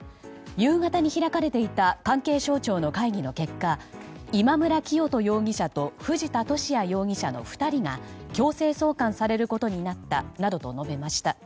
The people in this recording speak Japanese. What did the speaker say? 夕方に開かれていた関係省庁の会議の結果今村磨人容疑者と藤田聖也容疑者の２人が強制送還されることになったなどと述べました。